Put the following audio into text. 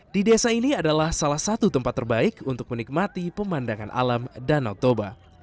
di desa ini adalah salah satu tempat terbaik untuk menikmati pemandangan alam danau toba